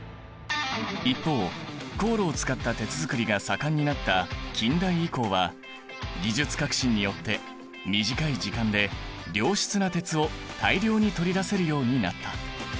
一方高炉を使った鉄づくりが盛んになった近代以降は技術革新によって短い時間で良質な鉄を大量に取り出せるようになった。